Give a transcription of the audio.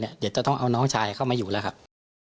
เดี๋ยวจะต้องเอาน้องชายเข้ามาอยู่แล้วครับ